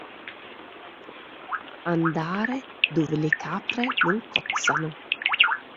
Andare dove le capre non cozzano.